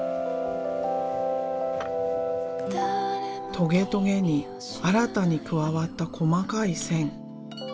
トゲトゲに新たに加わった細かい線。